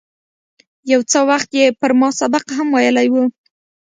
یو څه وخت یې پر ما سبق هم ویلی و.